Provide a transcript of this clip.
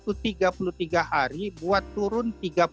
itu tiga puluh tiga hari buat turun tiga puluh